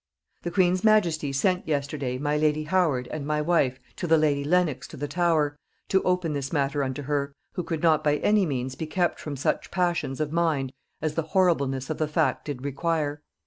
The queen's majesty sent yesterday my lady Howard and my wife to the lady Lenox to the Tower, to open this matter unto her, who could not by any means be kept from such passions of mind as the horribleness of the fact did require.